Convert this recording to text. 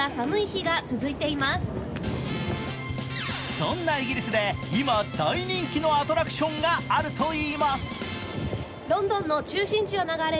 そんなイギリスで今大人気のアトラクションがあるといいます。